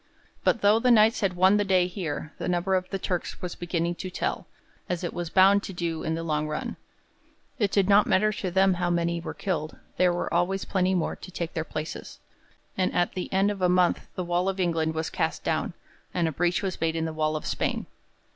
But though the Knights had won the day here, the number of the Turks was beginning to tell, as it was bound to do in the long run. It did not matter to them how many were killed, there were always plenty more to take their places, and at the end of a month the wall of England was cast down, and a breach was made in the wall of Spain.